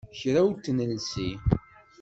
Kra ur t-nelsi.